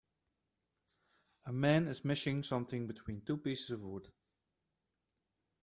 A man is mashing something between two pieces of wood.